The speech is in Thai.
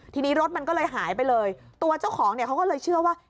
ทีนี้รถมันก็เลยหายไปเลยตัวเจ้าของเนี่ยเขาก็เลยเชื่อว่า